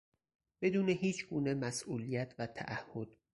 بدون هیچگونه مسئولیت و تعهد